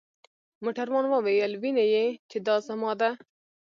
موټروان وویل: وینې يې؟ چې دا زما ده.